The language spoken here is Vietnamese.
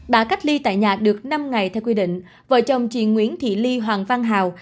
đã cách ly tại nhà được năm ngày theo quy định vợ chồng chị nguyễn thị ly hoàng văn hào